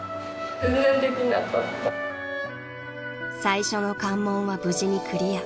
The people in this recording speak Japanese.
［最初の関門は無事にクリア］